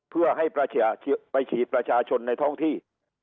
เพื่อให้ไปฉีดประชาชนในท้องที่